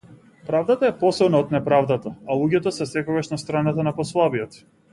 Правдата е посилна од неправдата, а луѓето се секогаш на страната на послабиот.